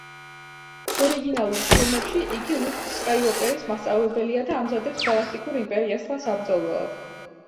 ორიგინალურ ფილმებში იგი ლუკ სკაიუოკერის მასწავლებელია და ამზადებს გალაქტიკურ იმპერიასთან საბრძოლველად.